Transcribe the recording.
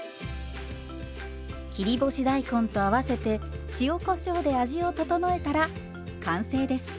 切り干し大根と合わせて塩こしょうで味を調えたら完成です。